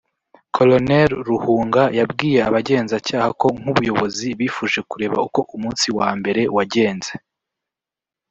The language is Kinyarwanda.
Col Ruhunga yabwiye abagenzacyaha ko nk’ubuyobozi bifuje kureba uko umunsi wa mbere wagenze